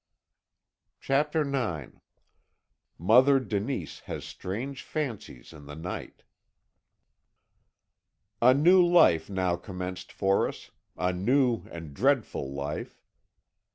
CHAPTER IX MOTHER DENISE HAS STRANGE FANCIES IN THE NIGHT "A new life now commenced for us a new and dreadful life.